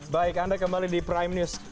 baik anda kembali di prime news